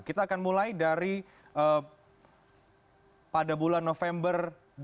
kita akan mulai dari pada bulan november dua ribu dua puluh